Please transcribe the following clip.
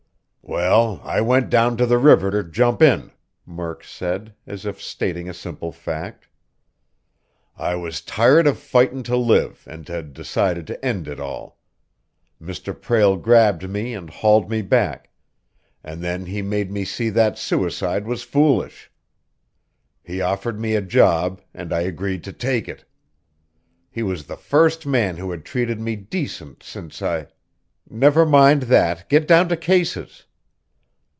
"Well, I went down to the river to jump in," Murk said, as if stating a simple fact. "I was tired of fightin' to live and had decided to end it all. Mr. Prale grabbed me and hauled me back, and then he made me see that suicide was foolish. He offered me a job, and I agreed to take it. He was the first man who had treated me decent since I " "Never mind that; get down to cases."